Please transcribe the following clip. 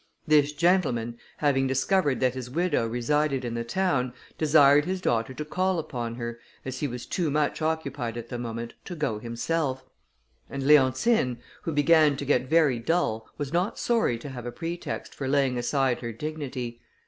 This gentleman, having discovered that his widow resided in the town, desired his daughter to call upon her, as he was too much occupied at the moment to go himself; and Leontine, who began to get very dull, was not sorry to have a pretext for laying aside her dignity.